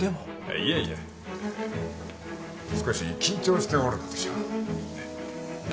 いえいえ少し緊張しておるのでしょう